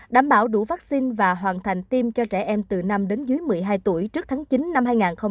đảm bảo đủ vaccine và hoàn thành tiêm cho trẻ em từ năm đến dưới một mươi hai tuổi trước tháng chín năm hai nghìn hai mươi